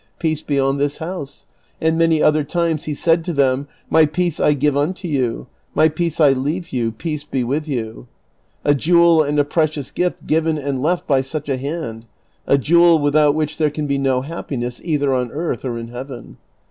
325 ' Peace be on this house ;' and many other times he said to tlieni, ' My peace I give unto you, my peace I leave you, peace be with you ;' a jewel and a precious gift given and left by such a hand : a jewel without which there can be no happiness either on earth or in heaven.